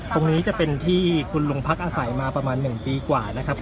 ตรงนี้จะเป็นที่คุณลุงพักอาศัยมาประมาณ๑ปีกว่านะครับ